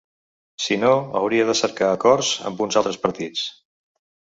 Si no, hauria de cercar acords amb uns altres partits.